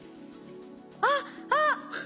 あっあっ。